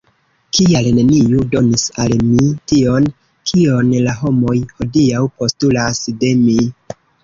Kial neniu donis al mi tion, kion la homoj hodiaŭ postulas de mi?